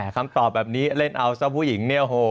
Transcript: คำตอบแบบนี้เล่นเอาซะผู้หญิง